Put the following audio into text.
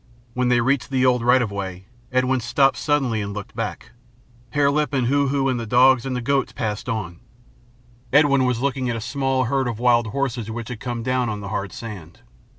When they reached the old right of way, Edwin stopped suddenly and looked back. Hare Lip and Hoo Hoo and the dogs and the goats passed on. Edwin was looking at a small herd of wild horses which had come down on the hard sand.